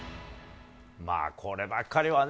こればっかりはね。